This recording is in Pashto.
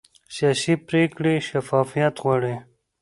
سیاسي پرېکړې شفافیت غواړي